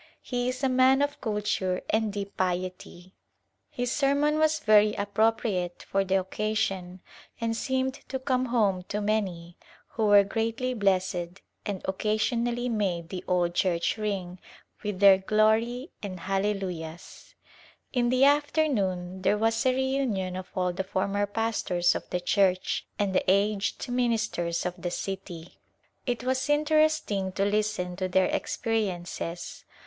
He is a man of culture and deep piety. His sermon was very appro priate for the occasion and seemed to come home to Outward Jouriiey many who were greatly blessed and occasionally made the old church ring with their " Glory " and " Halle lujahs." In the afternoon there was a reunion of all the former pastors of the church and the aged ministers of the city. It was interesting to listen to their ex periences.